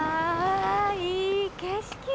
いい景色ね！